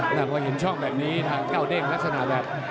แต่พอเห็นช่องแบบนี้ทางเจ้าเด้งลักษณะแบบ